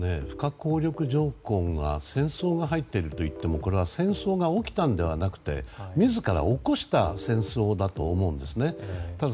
不可抗力条項には戦争が入っているといってもこれは戦争が起きたのではなくて自ら起こした戦争だと思うんです。